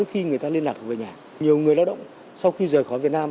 khi người ta liên lạc về nhà nhiều người lao động sau khi rời khỏi việt nam